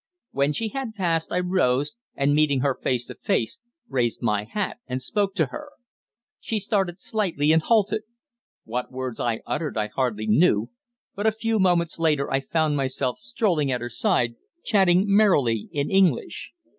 When she had passed, I rose and, meeting her face to face, raised my hat and spoke to her. She started slightly and halted. What words I uttered I hardly knew, but a few moments later I found myself strolling at her side, chatting merrily in English.